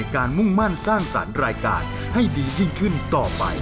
มุ่งมั่นสร้างสรรค์รายการให้ดียิ่งขึ้นต่อไป